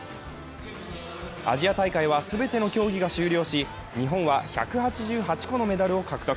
アジア大会は全ての競技が終了し、日本は１８８個のメダルを獲得。